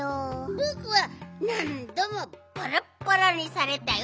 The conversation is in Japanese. ぼくはなんどもバラバラにされたよ。